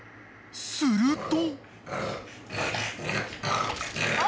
［すると］